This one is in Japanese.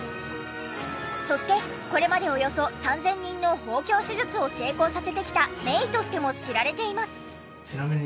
そしてこれまでおよそ３０００人の豊胸手術を成功させてきた名医としても知られています。